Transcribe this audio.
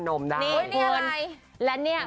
นมได้นี่คุณและเนี่ย